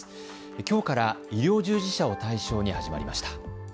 きょうから医療従事者を対象に始まりました。